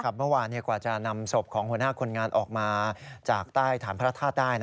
เมื่อวานกว่าจะนำศพของหัวหน้าคนงานออกมาจากใต้ฐานพระธาตุได้